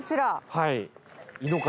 はい。